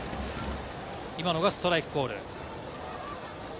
今のがストライクコール。